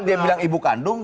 dia bilang ibu kandung